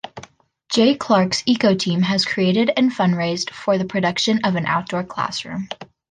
J Clarke's EcoTeam has created and fund-raised for the production of an outdoor classroom.